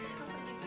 namanya sih angin